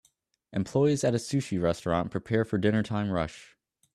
Employees at a sushi restaurant prepare for dinner time rush